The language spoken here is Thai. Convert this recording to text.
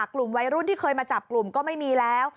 กลุ่มวัยรุ่นที่เคยมาจับกลุ่มก็ไม่มีแล้ว